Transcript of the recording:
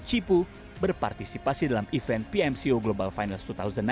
cipu berpartisipasi dalam event pmco global finals dua ribu delapan belas